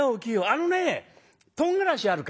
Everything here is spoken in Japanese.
あのねとんがらしあるかい？